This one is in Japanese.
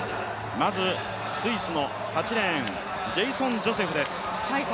まずスイスの８レーン、ジェイソン・ジョセフです。